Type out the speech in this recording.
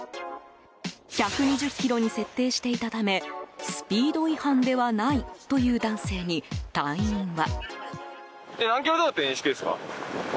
１２０キロに設定していたためスピード違反ではないという男性に隊員は。